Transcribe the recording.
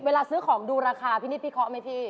เวลาซื้อของดูราคาพี่นิดพี่เคราะไหมพี่